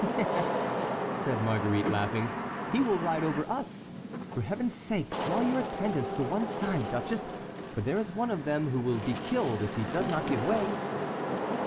"Yes," said Marguerite, laughing, "he will ride over us. For Heaven's sake draw your attendants to one side, duchess, for there is one of them who will be killed if he does not give way."